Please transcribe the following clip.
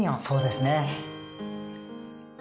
そうですね。